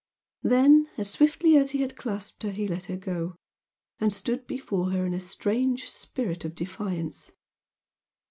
Then as swiftly as he had clasped her he let her go and stood before her in a strange spirit of defiance.